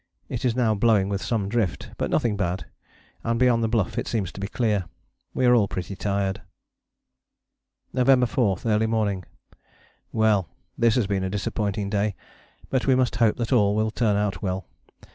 It is now blowing with some drift, but nothing bad, and beyond the Bluff it seems to be clear. We are all pretty tired. November 4. Early morning. Well! this has been a disappointing day, but we must hope that all will turn out well.